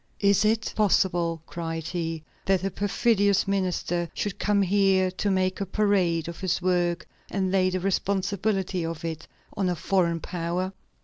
"Is it possible," cried he, "that a perfidious minister should come here to make a parade of his work and lay the responsibility of it on a foreign power?